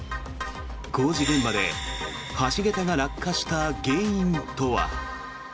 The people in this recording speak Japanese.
工事現場で橋桁が落下した原因とは。